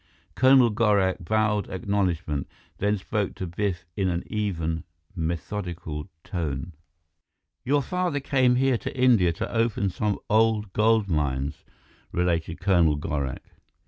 Colonel Gorak bowed acknowledgment, then spoke to Biff in an even, methodical tone. "Your father came here to India to open some old gold mines," related Colonel Gorak.